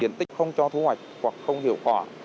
diện tích không cho thu hoạch hoặc không hiệu quả